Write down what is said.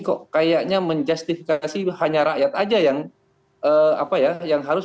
kok kayaknya menjustifikasi hanya rakyat aja yang apa ya yang harus